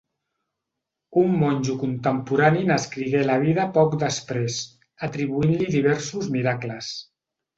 Un monjo contemporani n'escrigué la vida poc després, atribuint-li diversos miracles.